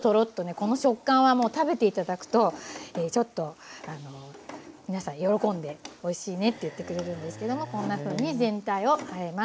この食感はもう食べて頂くとちょっと皆さん喜んでおいしいねって言ってくれるんですけどもこんなふうに全体をあえます。